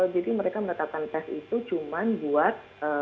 jadi mereka menetapkan tes itu cuman buat